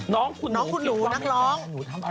น้องคุณหนูนักร้อง